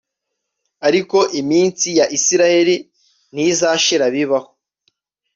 ariko iminsi ya israheli ntizashira bibaho